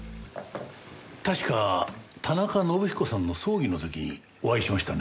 確か田中伸彦さんの葬儀の時にお会いしましたね。